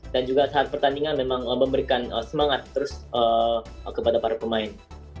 dan juga saat pertandingan memang memberikan semangat kepada para pemain